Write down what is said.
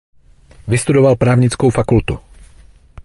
Vystudoval právnickou fakultu.